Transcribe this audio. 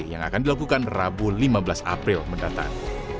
yang akan dilakukan rabu lima belas april mendatang